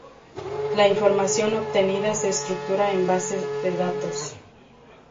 La información obtenida se estructura en bases de datos.